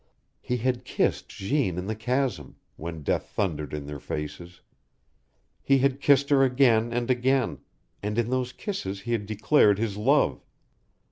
He had kissed Jeanne in the chasm, when death thundered in their faces. He had kissed her again and again, and in those kisses he had declared his love.